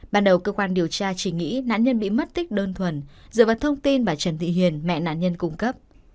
ban đầu cơ quan điều tra chỉ nghĩ nạn nhân bị mất tích đơn thuần dựa vào thông tin bà trần thị hiền mẹ nạn nhân cung cấp